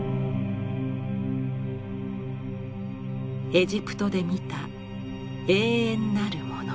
エジプトで見た永遠なるもの。